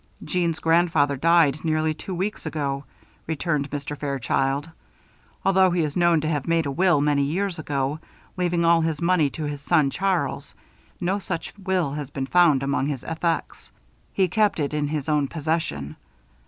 "Jeanne's grandfather died nearly two weeks ago," returned Mr. Fairchild. "Although he is known to have made a will, many years ago, leaving all his money to his son Charles, no such will has been found among his effects. He kept it in his own possession.